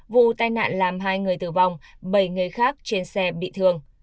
vụ tai nạn làm hai người tử vong bảy người khác trên xe bị thương